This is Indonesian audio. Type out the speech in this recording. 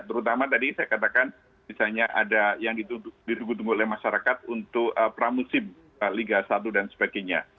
terutama tadi saya katakan misalnya ada yang ditunggu tunggu oleh masyarakat untuk pramusim liga satu dan sebagainya